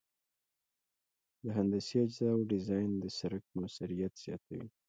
د هندسي اجزاوو ډیزاین د سرک موثریت زیاتوي